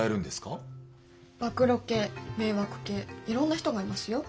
暴露系迷惑系いろんな人がいますよ。